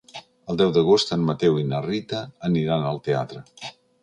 El deu d'agost en Mateu i na Rita aniran al teatre.